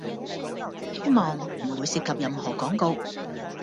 希望唔會涉及任何廣告